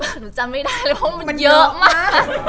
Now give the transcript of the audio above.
หนูจำไม่ได้เลยเพราะมันเยอะมาก